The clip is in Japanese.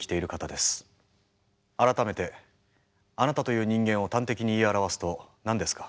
改めてあなたという人間を端的に言い表すと何ですか？